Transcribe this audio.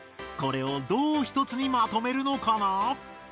これをどうひとつにまとめるのかな？